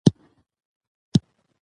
دوی وویل چې جاپان بری موندلی.